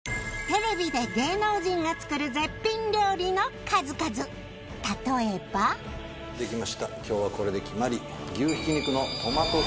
テレビで芸能人が作る絶品料理の数々例えば今日はこれで決まり。